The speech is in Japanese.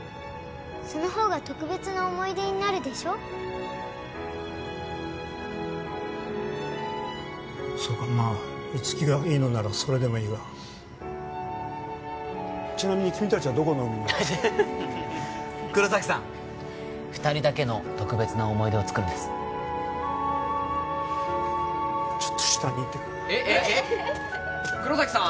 そのほうが特別な思い出になるでしょそうかまあいつきがいいのならそれでもいいがちなみに君達はどこの海に黒崎さん２人だけの特別な思い出をつくるんですちょっと下に行ってくるえっえっえっ黒崎さん？